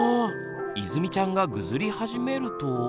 いずみちゃんがぐずり始めると。